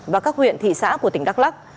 và các huyện thị xã của tỉnh đắk lắc